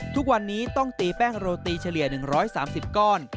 ทุกวันนี้ต้องตีแป้งโรตีเฉลี่ย๑๓๐ก้อน